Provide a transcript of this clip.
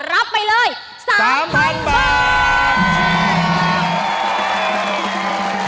รับไปเลย๓๐๐๐บาท